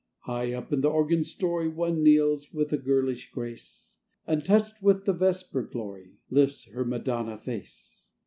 High up in the organ story One kneels with a girlish grace; And, touched with the vesper glory, Lifts her madonna face.